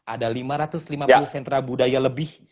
ada lima ratus lima puluh sentra budaya lebih